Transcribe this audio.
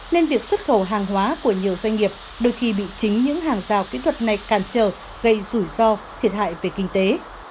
nên việc xuất khẩu hàng hóa của nhiều doanh nghiệp đôi khi bị chính những hàng rào kỹ thuật này càn trở gây rủi ro thiệt hại về kinh tế